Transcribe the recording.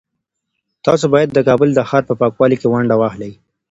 تاسو باید د کابل د ښار په پاکوالي کي ونډه واخلئ.